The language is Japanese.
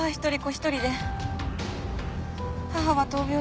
一人で母は闘病中で。